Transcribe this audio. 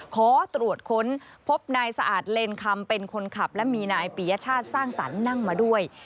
ขอตรวจค้นพบนายสะอาดเลนคำเป็นคนขับและมีนายปียชาติสร้างสรรค์นั่งมาด้วย